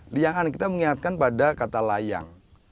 liangan kita mengingatkan pada kata layang